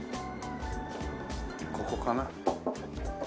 ここかな？